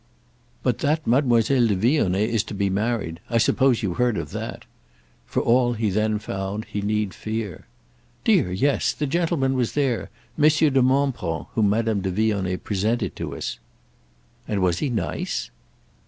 "But that Mademoiselle de Vionnet is to be married—I suppose you've heard of that." For all, he then found, he need fear! "Dear, yes; the gentleman was there: Monsieur de Montbron, whom Madame de Vionnet presented to us." "And was he nice?"